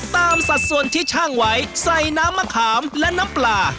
สัดส่วนที่ช่างไว้ใส่น้ำมะขามและน้ำปลา